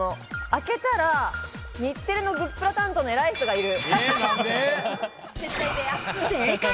開けたら日テレのグップラ担当の偉い人がいる。